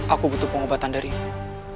aku butuh pengobatan darimu